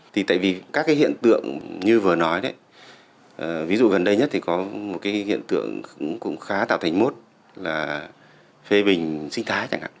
thì tại vì các cái hiện tượng như vừa nói đấy ví dụ gần đây nhất thì có một cái hiện tượng cũng khá tạo thành mốt là phê bình sinh thái chẳng hạn